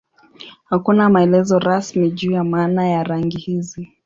Hakuna maelezo rasmi juu ya maana ya rangi hizi.